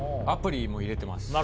アプリも入れてます